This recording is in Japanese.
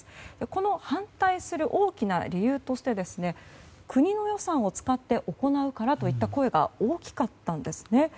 この反対する大きな理由として国の予算を使って行うからといった声が大きかったんですね。